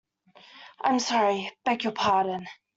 I'm sorry. I beg your pardon.